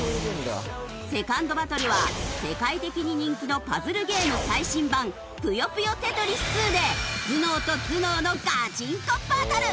セカンドバトルは世界的に人気のパズルゲーム最新版『ぷよぷよテトリス２』で頭脳と頭脳のガチンコバトル！